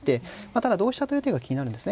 ただ同飛車という手が気になるんですね。